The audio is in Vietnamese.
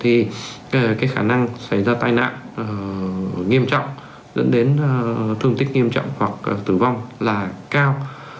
thì cái khả năng xảy ra tai nạn nghiêm trọng dẫn đến thương tích nghiêm trọng hoặc tử vong là cao